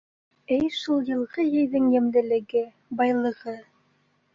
Эй шул йылғы йәйҙең йәмлелеге, байлығы!